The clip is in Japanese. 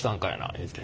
言うて。